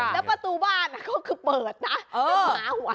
แล้วประตูบ้านก็คือเปิดนะ